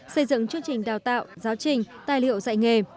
xây dựng chương trình đào tạo giáo trình tài liệu dạy nghề